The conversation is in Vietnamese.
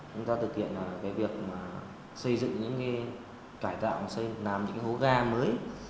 chúng ta thực hiện cái việc xây dựng những cái cải tạo xây làm những cái hố ga mới